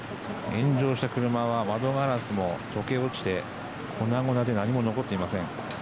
炎上した車は窓ガラスも溶け落ちて粉々で何も残っていません。